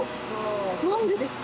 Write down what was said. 何でですか？